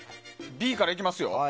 Ｂからいきますよ。